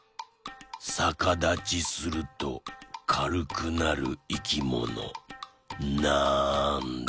さかだちするとかるくなるいきものなんだ？